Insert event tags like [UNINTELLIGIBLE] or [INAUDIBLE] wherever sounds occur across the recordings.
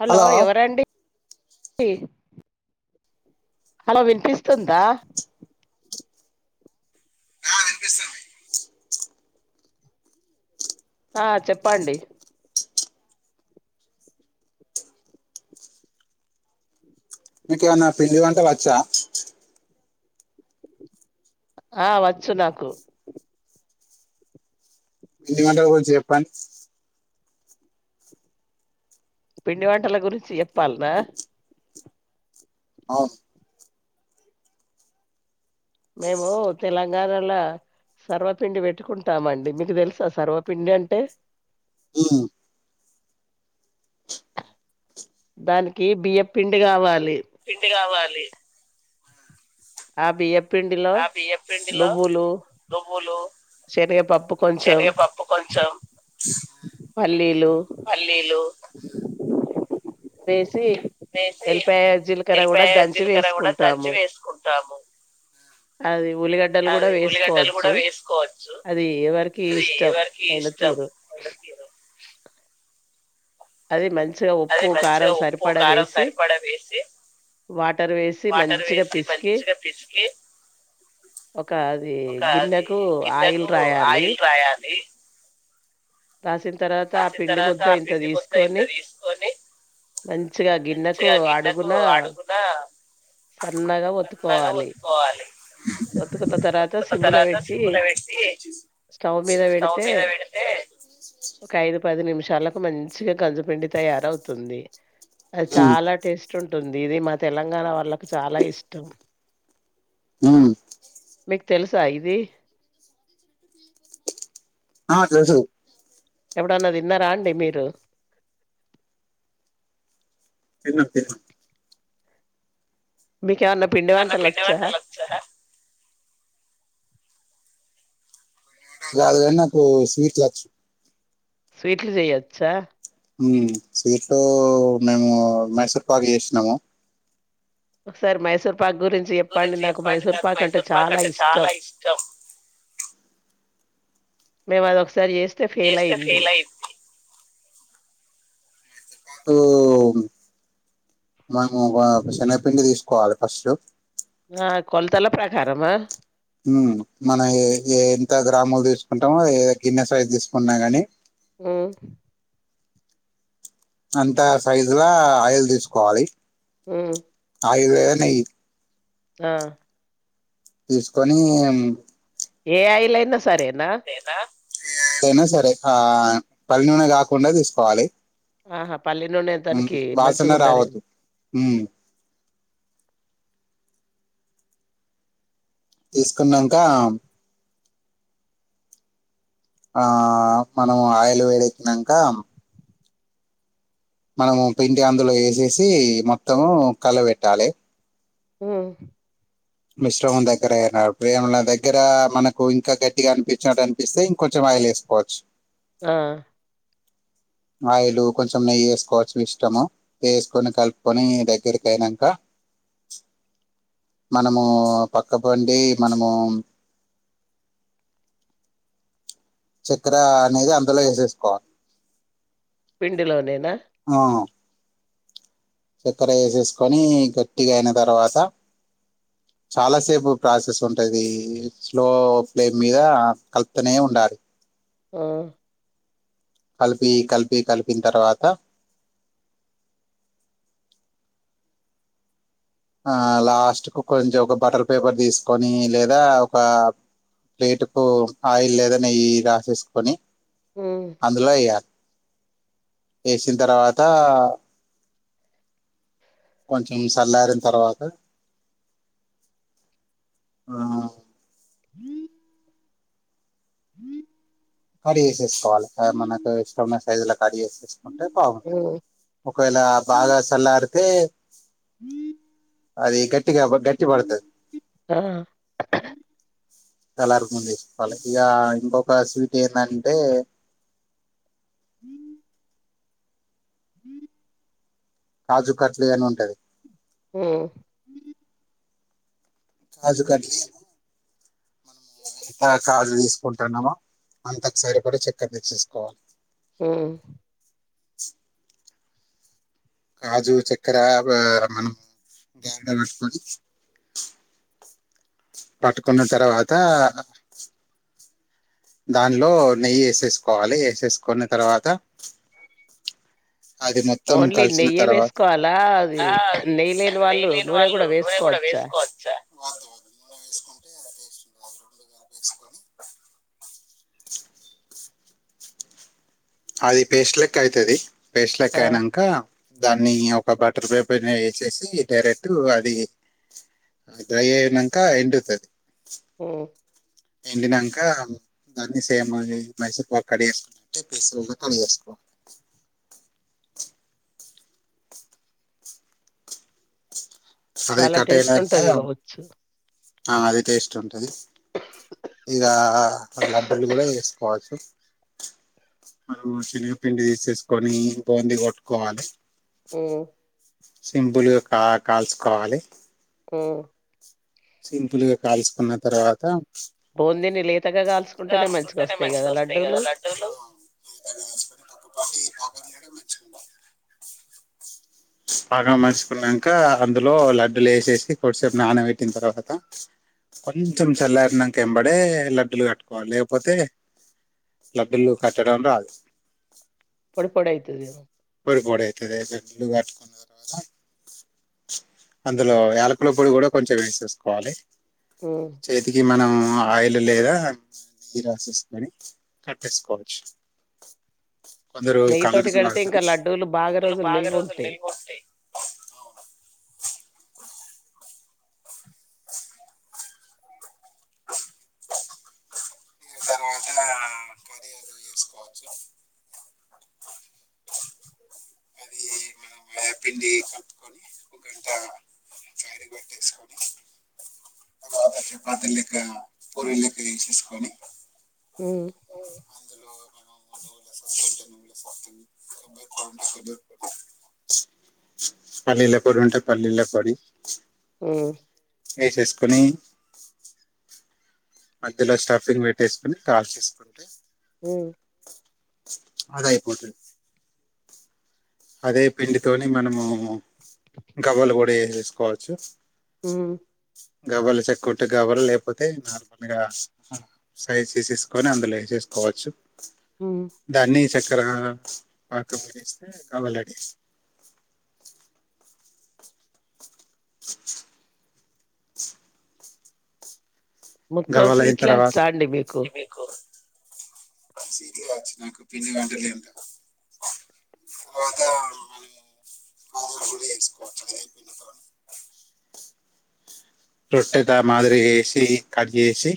Hello ఎవరండి ఈ hello విన్పిస్తుందా ఆ చెప్పండి నీకేమన్నా పిండి వంటలు వచ్చా ఆ వచ్చు నాకు పిండి వంటలు గురించి చెప్పండి పిండి వంటల గురించి చెప్పాల్నా ఆవున్ మేము తెలంగాణలో సర్వపిండి పెట్టుకుంటామండి, మీకు తెలుసా సర్వపిండి అంటే ఉ దానికి బియ్యపు పిండి కావాలి పిండి కావాలి అ బియ్యం ఆ బియ్యపు పిండిలో నువ్వులు శనగపప్పు కొంచెం శనగపప్పు కొంచెం పల్లీలు లు వేసి ఎల్లిపాయ జీలకర్ర కూడా ఎల్లిపాయ దంచి జీలకర్ర కూడా దంచి వేసుకుంటాము వేసుకుంటాము అది ఉలిగడ్డలు కూడా అది ఉల్లిగడ్డలు కూడా వేసుకోవచ్చు వేసుకోవచ్చు అది ఎవరకి అది ఇష్టం ఎవరికి అయిన ఇష్టం తీరు వాళ్ళ తీరు. అది మం అది మంచిగా ఉప్పు కారం సరిపడా వేసి, వాటర్ వేసి వాటర్ మంచిగా వేసి, పిసికి మంచిగా పిసికి ఒక అది ఒక అది గిన్నెకు ఆయిల్ గిన్నెకు ఆయిల్ రాయాలి. రాసిన్ తర్వాత ఆ కాసిన పిండి తర్వాత ముద్ద ఆ ఇంత పిండి తీసు మొత్తం ఇంత ని తీసుకొని మంచిగా గిన్నెకు మంచిగా గిన్నెకు అడుగున అడుగున సన్నగా సన్నగా వత్తుకోవాలి, ఒత్తుకోవాలి వత్తుకున్న తర్వాత ఒత్తుకున్న సిమ్ ల తర్వాత పెట్టి సిమ్ములో పెట్టి సస్టౌవ్ మీద స్టవ్ పెడితే మీద పెడితే కట్. ఐదు పది నిమిషాలకు మన్ చిగా కజుపిండి తయారవుతుంది అద్ ఉమ్, చాలా టేస్ ఉంటుంది ఇది మా తెలంగాణ వాళ్ళకు చాలా ఇష్టం ఉమ్ మీక్ తెలుసా ఇది ఆ తెలుసు ఎప్పుడన్నా తిన్నారా అండి మీరు తిన్న తీన్ బీ ఏమన్న పిండి నన్న వంటలచ్చ వంటలు వచ్చా రాద్ గాని నాకు స్వీట్ లచ్ స్వీట్లు చేయొచ్చా ఊమ్ సీట్లు మేము మైసూర్ పాక్ చేసినాము ఒకసారి మైసూర్ పాక్ గురించి చెప్పండి. నాకు మైసూర్ పాక్ అంటే చాలా ఇష్టం. మేం అదో సరి చేస్తే ఫెయిల్ అయింది ప్పుడు మనము ఒక శనగపిండి తీసుకోవాలి ఫస్ట్ కరమా మ్ మనం ఎంత గ్రాములు తీసుకుంటామో గిన్నె సైజ్ తీసుకుంటున్నా ని మ్ అంత సైజులా ఆయిల్ తీసుకోవాలి మ్ ఆయిల్ లేద నెయ్యి మ్ తీసుకొని ఏ అయిలైనా సరే నా అయినా సరే ఆ పల్ నూనె కాకుండా తీసుకోవాలి ఆహా పల్లె నుూన హ్మ్. తననికి మంచిగా వాసన ఉండదే రావద్దు. హ్మ్. తీసుకున్నాక ఆ మనం ఆయిలు వేడెక్కినాక మనము పింటి అందులో వేసేసి మొత్తము కళ్ళ పెెట్టాలి మ్ మిశ్రముం దగ్గర అయిన ప్రేమల దగ్గర మనకు ఇంకా గట్టిగా అనిపించినట్టు అనిపిస్తే ఇంకొంచెం ఆయిలే వేసుకోవచ్చు ఆ ఆయిలు కొంచెం నెయ్యి వేసుకోవచ్చు ఇష్టము వేసుకొని కలుపుకొని దగ్గరిక అయినాక మనము పక్కబండి మనము చక్కెర అనేది అందులో చేసేసుకోవాలి పిండిలోనేనా ఆ చక్కర వేసేసుకొని గట్టిగా అయిన తర్వాత చాలాసేపు ప్రాసెస్ ఉంటుంది స్లో ఫ్లేమ్ మీద కలుతనే ఉండాలి ఆ కలిపి కలిపి కలిపిన తర్వాత ఆ లాస్ట్ కు కొంచెం ఒక బటర్ పేపర్ తీసుకొని లేదా ఒక ప్లేటు కు ఆయిల్ లేదా నెయ్యి రాసేసుకొని ఉమ్, అందులా వేసిన తర్వాత కొంచెం సల్లారిన తర్వాత ఆ కడి వేసేసుకోవాలి మనకు ఇష్టమన్న సైజుల కడి వేసేసుకుంట వేసుకో ఉమ్, ఒకవేళ బాగా చల్లారితే అది గట్టిగా గట్టి పడుతుది ఆ ఎలర్ ముందే చెప్పాలి ఇక ఇంకొక స్వీట్ ఏంటంటే కాజు కట్లు కాని ఉంటది ఉమ్, కాజు కట్ మనం ఎంత కాజు తీసుకుంటున్నామో అంతకు సరిపడి చక్కర్ తెచ్చేసుకోవాలి హమ్ కాజు చక్కెర మనం గ పట్టుకొని పట్టుకున్న తర్వాత దానిలో నెయ్యి వేసేసుకోవాలి వేసేసుకున్న తర్వాత అది మొత్తం ఓన్లీ కలిసిన నెయ్యే తర్వాత వేసుకోవాలా? అది నెయ్యి లేని నెయ్య వాళ్ళు లేని నూనె వాళ్ళు గూడా నూనె కూడా వేసుకోవచ్చా? వేసుకోవచ్చా అది పేస్ట్ లెక్క అవుతుది వేస్లక ఆ! అయనాక దాన్ని ఒక బటర్ పేపర్ని వేసేసి డైరెక్ట్ అది డ్రై అయినాక ఎండుతది హూ ఎండినాంక దాన్ని సేమ్ అండి మైసూర్పాక్ [INAUDIBLE] తీసుకున్నవి కడిగేసుకో అది చాలా కట్ టేస్ట్ అయినాక ఉంటది కావచ్చు అది టేస్ట్ ఉంటది ఇగ లడ్డూలు గూడ చేసుకోవచ్చు మనం శెనగ పిండి తీసేసుకొని బోంది పట్టుకోవాలి ఊ సింపుల్గా కా కాల్చుకోవాలి ఊ సింపుల్ గా కాల్చుకున్న తర్వాత బూందీని లేతగా కాల్చుకుంటేనే మంచిగొస్తాయి మంచిగా గదా! వస్తాయి కదా లడ్డూలు లడ్డులు బాగా మర్చుకున్నాక అందులో లడ్డూలు ఏసేసి కొద్దిసేపు నానబెట్ ట్టిన తర్వాత కొంచెం చల్లారినాంక వెంబడే లడ్డులు కట్టుకోవాలి లేకపోతే లడ్డులు కట్టడం రాదు పొడి పొడైతదేమో. పొడి పొడి అయితది ఐతే లడ్లు కట్టుకున్న తర్వాత అందులో యాలకుల పొడి కూడ కొంచెం వేసేసుకోవాలి హ్మ్. చేతికి మనం ఆయిల్ లేదా [INAUDIBLE] రాసేసుకొని కట్టేసుకోవచ్చు కొందరు నెయ్యి తోటి కలర్స్ కడితే ఇంకా వాడతారు లడ్డూలు బాగా దులు రోజులు నిల్వు రోజులు ఉంటాయి నిల్వ ఉంటాయి తరువాత [UNINTELLIGIBLE] చేసుకోవచ్చు అది పిండి కలుపుకొని ఒక గంట క్యారీ కట్టేస్కొని చపాతి లెక్క పూరి లెక్క చేసేసుకోని హు అందులో నువ్వుల [INAUDIBLE] పల్లీల పొడి వుంటే పల్లీల పొడి హ్మ్. ఎసేసుకొని మధ్యలో స్టాఫింగ్ పెట్టేసుకుని కాల్ చేసుకుంటే హ్మ్. అదాయిపోతది అదే పిండితోని మనము, గవ్వలు కూడా వేసేసుకోవచ్చు, హ్మ్. గవ్వలు చెక్క ఉంటే గవ్వలు లేకపోతే నార్మల్గా సైజ్ చేసేసుకొని అందులో వేసేసుకోవచ్చు, హ్మ్. దాన్ని చక్కరగా పాకం వేస్తే గవ్వల్ రెడీ మొత్తం గవ్వలు అయినా స్వీట్లే తరువాత వచ్చా [INAUDIBLE] అండి మీకు? రొట్టెద మాదిరి వేసి కట్ చేసి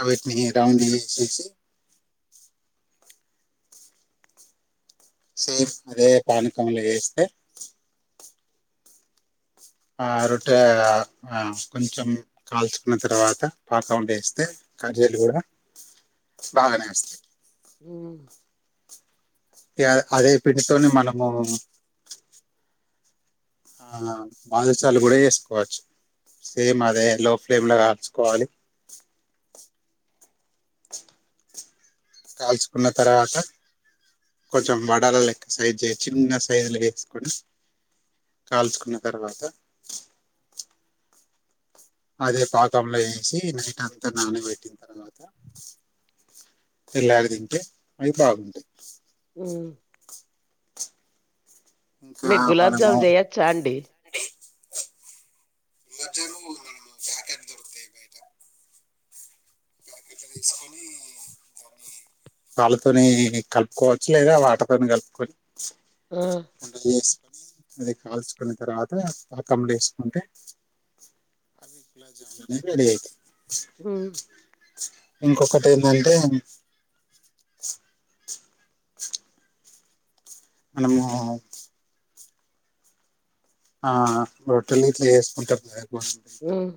అవిటిని రౌండ్ చేసెసి సేమ్ అదే పానకంలో వేస్తే ఆ రొట్టె కొంచెం కాల్చుకున్న తర్వాత పాక వండ వేస్తే కజ్జయిలు కూడా బాగానే వస్తాయి. ఉ అ అదే పిండితోని మనము ఆ భాదుషాలు కూడ వేసుకోవచ్చు, సేమ్ అదే లో ఫ్లేమ్ లో కాల్చుకోవాలి. కాల్చుకున్న తర్వాత కొంచెం వడల లెక్క సైజు చిన్న సైజులు వేసుకొని కాల్చుకున్న తర్వాత అదే పాకంలో వేసి నైట్ అంతా నానబెట్టిన తర్వాత, తెల్లారు తింటే అవి బాగుంటాయి. మ్ ఇంకా మీరు గులాబ్ మనము జామున్ చేయొచ్చ అండి [UNINTELLIGIBLE] పాలతోనే కలుపుకోవచ్చు లేదా వాటర్ తోనే కలుపుకొ ఆ! చేసి అవి కాల్చుకున్న తర్వాత పాకంలో ఏసుకుంటే అవి ఇట్ల జాయిన్ అయ్యి వేరుగైతై హ్మ ఇంకొకటి ఏదంటే [INAUDIBLE] మనము ఆ రొట్టల్ గిట్ల చేసుకుంటరా [UNINTELLIGIBLE] హ్మ్.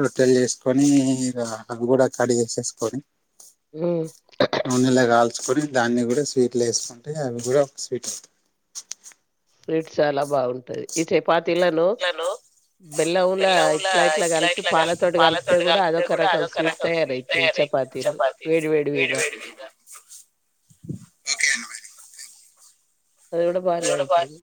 రొట్టెలు చేసుకొనీ ఇగా అవి కూడ కడిగి ఏసేసుకొని హ్మ్. నూనలోకాల్తే ల్చుకొని దాన్ని కూడ స్వీట్ల ఏసుకుంటే అవి కూడ ఒక స్వీట్ అవుతాయి. స్వీట్స్ చాలా బాగుం ఉంటది ఈ చపాతీలను ఇట్లను బెల్లముల ఇట్లా ఇట్ల కలిపి పాలతోటి కలిపితే కూడ అదొక రకం స్వీట్ తయారయితది చపాతీలు వేడి వేడి మీద ఓకే అండి [INAUDIBLE] అది గూడ బానే ఉంటది.